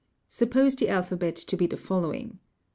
Suppose the alphabet to be the following :—